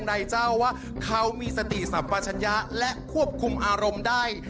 เรามีสติสรรพชัยะและควบคุมอารมณ์ได้